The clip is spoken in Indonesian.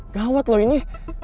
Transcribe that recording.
gawat loh ini